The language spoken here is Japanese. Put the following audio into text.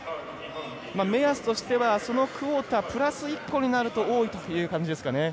目安としてはそのクオータープラス１個になると多いということですかね。